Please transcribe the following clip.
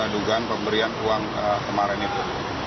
dugaan pemberian uang kemarin itu